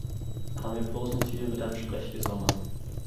Fang bloß nicht wieder mit deinem Sprechgesang an!